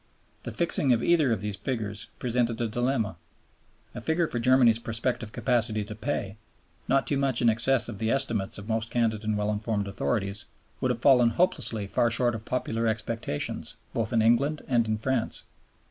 The fixing of either of these figures presented a dilemma. A figure for Germany's prospective capacity to pay, not too much in excess of the estimates of most candid and well informed authorities, would have fallen hopelessly far short of popular expectations both in England and in France.